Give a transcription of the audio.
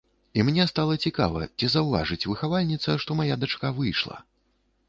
І мне стала цікава, ці заўважыць выхавальніца, што мая дачка выйшла.